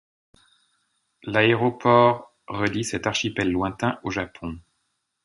L'aéroport d' relie cet archipel lointain au Japon.